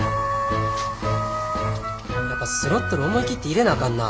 やっぱスロットル思い切って入れなあかんな。